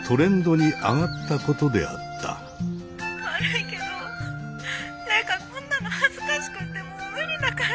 悪いけど玲香こんなの恥ずかしくてもう無理だから。